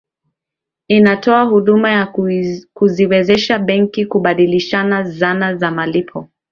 inatoa huduma ya kuziwezesha benki kubadilishana zana za malipo